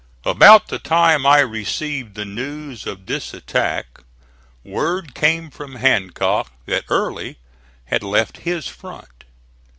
About the time I received the news of this attack, word came from Hancock that Early had left his front.